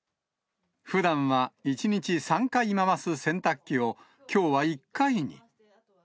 ふだんは１日３回回す洗濯機を、きょうは１回に。